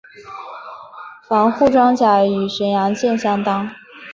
防护装甲与巡洋舰相当。